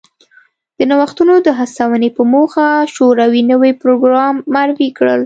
د نوښتونو د هڅونې په موخه شوروي نوی پروګرام معرفي کړ